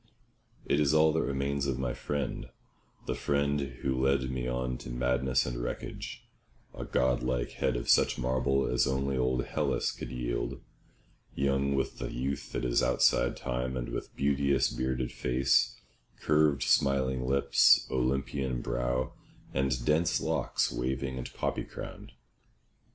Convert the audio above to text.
It is all that remains of my friend; the friend who led me on to madness and wreckage; a godlike head of such marble as only old Hellas could yield, young with the youth that is outside time, and with beauteous bearded face, curved, smiling lips, Olympian brow, and dense locks waving and poppy crowned.